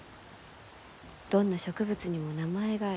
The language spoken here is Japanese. どんな植物にも名前がある。